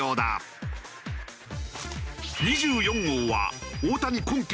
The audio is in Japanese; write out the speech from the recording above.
２４号は大谷今季